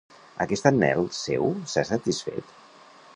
Aquest anhel seu s'ha satisfet?